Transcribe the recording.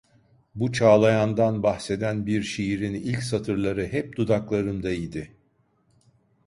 Bu çağlayandan bahseden bir şiirin ilk satırları hep dudaklarımda idi…